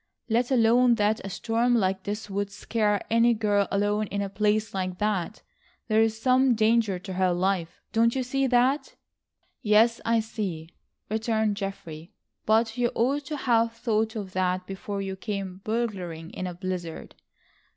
Let alone that a storm like this would scare any girl alone in a place like that, there is some danger to her life. Don't you see that?" "Yes, I see," returned Geoffrey, "but you ought to have thought of that before you came burgling in a blizzard."